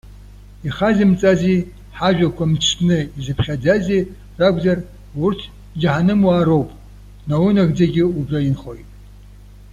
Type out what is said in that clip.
Ихазымҵази ҳажәақәа мцны изыԥхьаӡази ракәзар, урҭ џьаҳанымуаа роуп, наунагӡагьы убра инхоит.